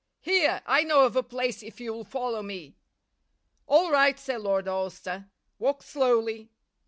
Here, I know of a place, if you'll follow me." "All right," said Lord Alcester. "Walk slowly."